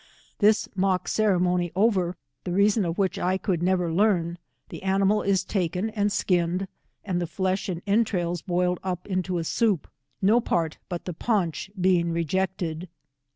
This mock ceremony over, the reason of which I could never learn, the animal is taken and skinned, and the flesh and entrails boiled up into a soup, no (fart, but the paunch beiug re jected.